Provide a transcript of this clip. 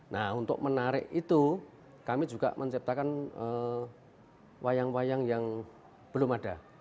nah untuk menarik itu kami juga menciptakan wayang wayang yang belum ada